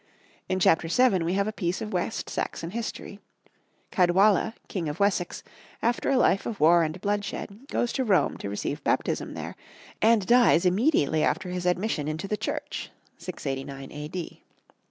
In Chapter 7 we have a piece of West Saxon history: Caedwalla, King of Wessex, after a life of war and bloodshed, goes to Rome to receive baptism there, and dies immediately after his admission into the Church (689 A.D.).